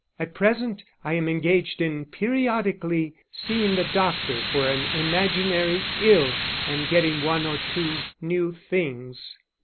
At present I am engaged in periodically seeing the doctor for an imaginary ill, and getting one or two new things.